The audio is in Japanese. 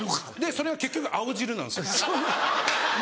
それは結局青汁なんですよ。